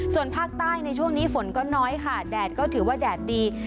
ส่วนภาคใต้ในช่วงนี้ฝนก็น้อยค่ะแดดก็ถือว่าแดดดี